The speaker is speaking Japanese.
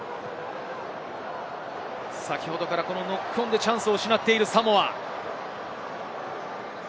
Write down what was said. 先ほどからノックオンでチャンスを失っているサモア。